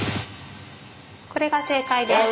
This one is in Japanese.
これが正解です。